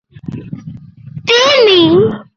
The following are tallies of current listings by county.